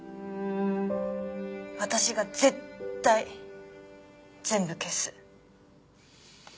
私が絶対全部消す。